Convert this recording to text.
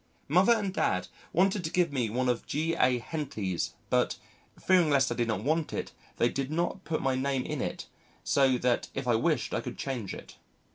_ Mother and Dad wanted to give me one of G.A. Henty's, but, fearing lest I did not want it, they did not put my name in it, so that if I wished I could change it.